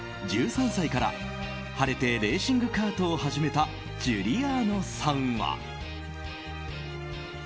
１３歳から晴れてレーシングカートを始めたジュリアーノさんは。